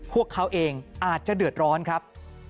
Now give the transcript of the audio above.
พวกเขาเองอาจจะเดือดร้อนครับ